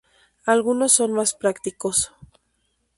Algunos son más prácticos.